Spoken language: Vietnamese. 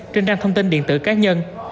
trên trang thông tin điện tử cá nhân